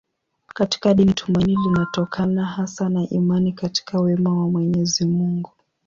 Katika dini tumaini linatokana hasa na imani katika wema wa Mwenyezi Mungu.